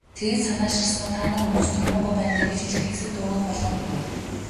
Тэгж санааширснаа "Та нар мөн ч томоогүй байна даа" гэж хэлээд хэсэг дуугүй болов.